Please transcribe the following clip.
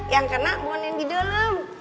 yang kena bonem di dalam